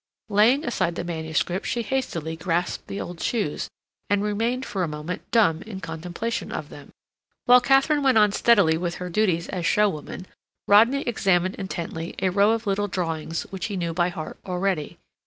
Laying aside the manuscript, she hastily grasped the old shoes, and remained for a moment dumb in contemplation of them. While Katharine went on steadily with her duties as show woman, Rodney examined intently a row of little drawings which he knew by heart already.